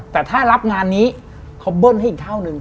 แต่ถ้ารับงานนี้เขาเบิ้ลให้อีกเท่านึง